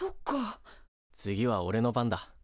次はおれの番だ。